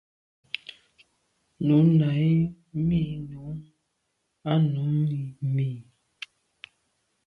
Nu nà i mi nu a num i mi.